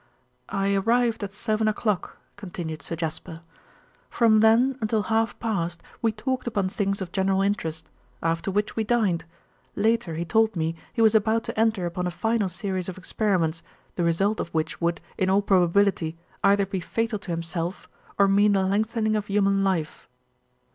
"I arrived at seven o'clock," continued Sir Jasper. "From then until half past we talked upon things of general interest, after which we dined. Later he told me he was about to enter upon a final series of experiments, the result of which would, in all probability, either be fatal to himself, or mean the lengthening of human life."